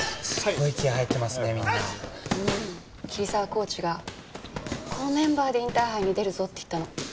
コーチが「このメンバーでインターハイに出るぞ」って言ったの。